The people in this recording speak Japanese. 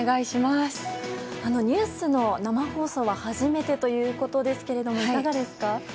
ニュースの生放送は初めてということですけどいかがですか？